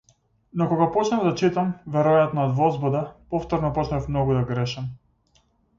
Но кога почнав да читам, веројатно од возбуда, повторно почнав многу да грешам.